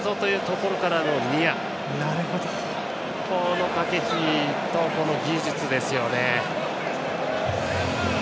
この駆け引きと技術ですよね。